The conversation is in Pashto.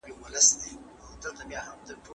ولي محنتي ځوان د لایق کس په پرتله بریا خپلوي؟